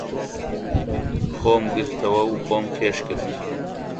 خۆم گرتەوە و خۆم کێش کرد.